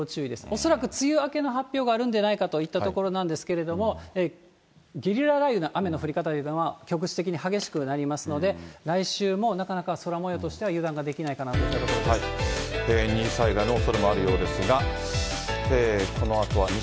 恐らく梅雨明けの発表があるんではないかといったところなんですけれども、ゲリラ雷雨の雨の降り方というのは、局地的に激しくなりますので、来週もなかなか空もようとしては、油断ができないかここで最新のニュースです。